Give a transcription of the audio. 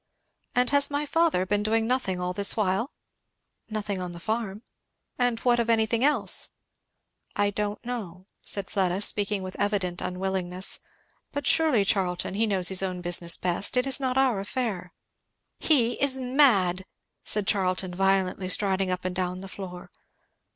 "And has my father been doing nothing all this while?" "Nothing on the farm." "And what of anything else?" "I don't know," said Fleda, speaking with evident unwillingness. "But surely, Charlton, he knows his own business best. It is not our affair." "He is mad!" said Charlton, violently striding up and down the floor.